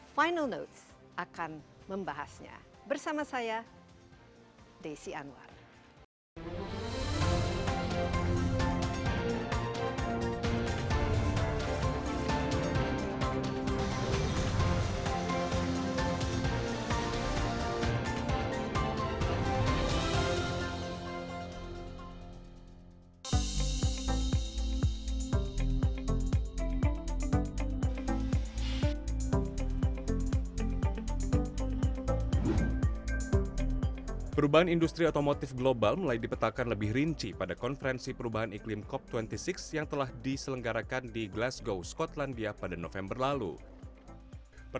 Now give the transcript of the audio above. final notes akan membahasnya bersama saya desi anwar